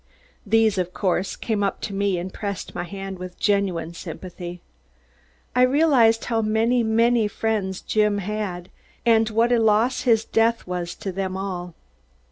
These, of course, came up to me and pressed my hand with genuine sympathy. I realized how many, many friends Jim had and what a loss his death was to them all.